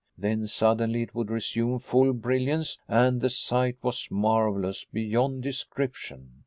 Then suddenly it would resume full brilliance, and the sight was marvelous beyond description.